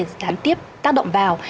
gián tiếp tác động vào